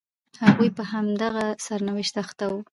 هغوی په همدغه سرنوشت اخته وو.